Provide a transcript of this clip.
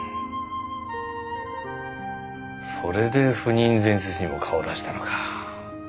それで赴任前日にも顔を出したのか。